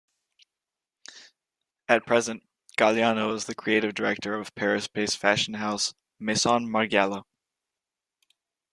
At present, Galliano is the creative director of Paris-based fashion house Maison Margiela.